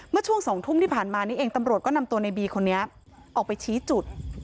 เมื่อช่วง๒ทุ่มที่ผ่านมานี้เองตำรวจก็นำตัวในบีคนนี้ออกไปชี้จุด